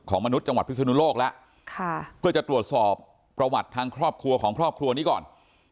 มนุษย์จังหวัดพิศนุโลกแล้วเพื่อจะตรวจสอบประวัติทางครอบครัวของครอบครัวนี้ก่อน